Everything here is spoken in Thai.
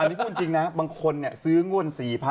อันนี้พูดจริงนะบางคนซื้องวด๔๐๐๐